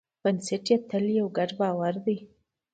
بنسټ یې تل یو ګډ باور دی.